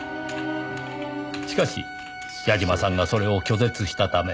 しかし矢嶋さんがそれを拒絶したため。